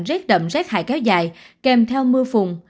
rết đậm rác hại kéo dài kèm theo mưa phùng